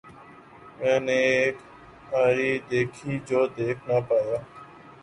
میں نے ایک آری دیکھی جو دیکھ نہ پایا۔